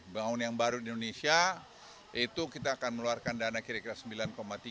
bangun yang baru di indonesia itu kita akan meluarkan dana kira kira sembilan tiga